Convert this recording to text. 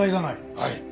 はい。